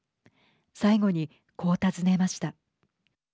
最後に、こう尋ねました。